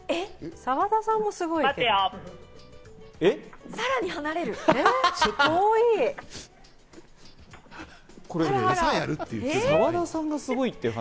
澤田さんがすごいって話。